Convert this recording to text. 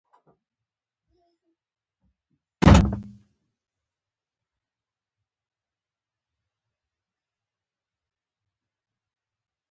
خالده ولاړ سه!